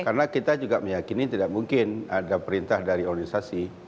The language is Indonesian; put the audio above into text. karena kita juga meyakini tidak mungkin ada perintah dari organisasi